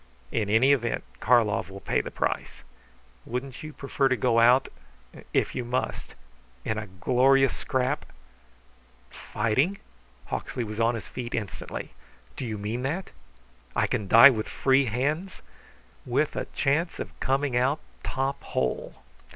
In any event, Karlov will pay the price. Wouldn't you prefer to go out if you must in a glorious scrap?" "Fighting?" Hawksley was on his feet instantly. "Do you mean that? I can die with free hands?" "With a chance of coming out top hole."